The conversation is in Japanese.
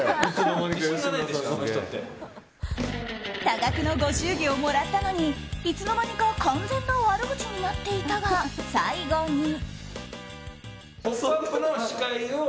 多額のご祝儀をもらったのにいつの間にか完全な悪口になっていたが、最後に。